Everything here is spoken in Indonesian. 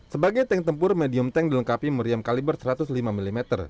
sebagai tank tempur medium tank dilengkapi meriam kaliber satu ratus lima mm